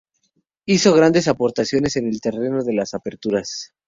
Hizo grandes aportaciones en el terreno de las aperturas.